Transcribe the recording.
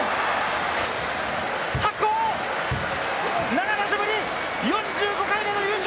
７場所ぶり４５回目の優勝！